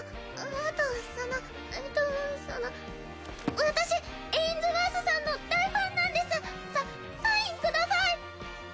あとそのえっとその私エインズワースさんの大ファンなんですササインください！